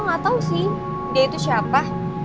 gak tau sih dia itu siapa